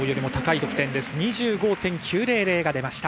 ２５．９００が出ました